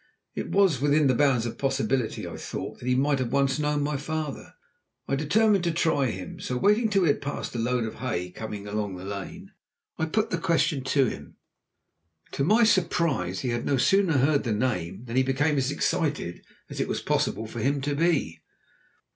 It was within the bounds of possibility, I thought, that he might once have known my father. I determined to try him. So waiting till we had passed a load of hay coming along the lane, I put the question to him. To my surprise, he had no sooner heard the name than he became as excited as it was possible for him to be.